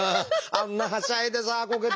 あんなはしゃいでさこけてさ。